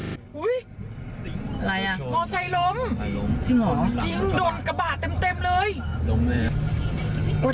อุ๊ยมอไซลมจริงหรอ